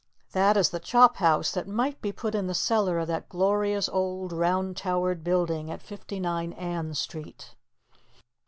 That is the chophouse that might be put in the cellar of that glorious old round towered building at 59 Ann Street.